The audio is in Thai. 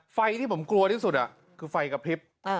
ไฟที่ผมกลัวที่สุดคือไฟกับพลิป